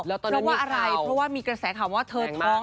เพราะว่าอะไรเพราะว่ามีกระแสข่าวว่าเธอท้อง